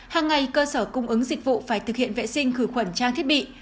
hàng ngày cơ sở cung ứng dịch vụ phải thực hiện vệ sinh khử khuẩn trang thiết bị